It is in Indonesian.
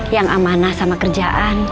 yang amanah sama kerjaan